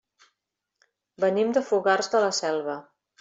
Venim de Fogars de la Selva.